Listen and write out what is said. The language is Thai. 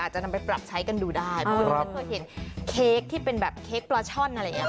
จะนำไปปรับใช้กันดูได้เพราะว่าดิฉันเคยเห็นเค้กที่เป็นแบบเค้กปลาช่อนอะไรอย่างนี้